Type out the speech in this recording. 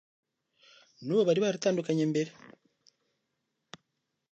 n'uwo bari baratandukanye mbere